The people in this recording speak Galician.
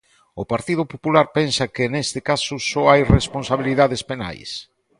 ¿O Partido Popular pensa que neste caso só hai responsabilidades penais?